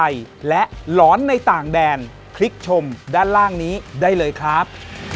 และหลอนในต่างแดนคลิกชมด้านล่างนี้ได้เลยครับ